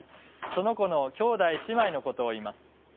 その子の兄弟姉妹のことを言います。